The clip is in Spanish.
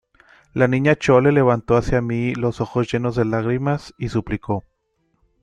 la Niña Chole levantó hacia mí los ojos llenos de lágrimas, y suplicó: